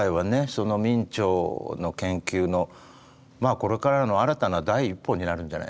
その明兆の研究のこれからの新たな第一歩になるんじゃないですか？